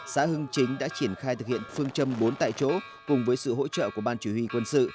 xã hưng chính đã triển khai thực hiện phương châm bốn tại chỗ cùng với sự hỗ trợ của ban chỉ huy quân sự